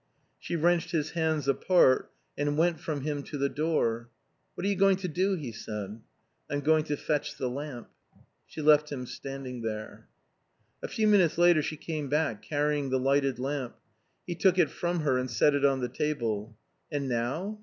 She wrenched his hands apart and went from him to the door. "What are you going to do?" he said. "I'm going to fetch the lamp." She left him standing there. A few minutes later she came back carrying the lighted lamp. He took it from her and set it on the table. "And now?"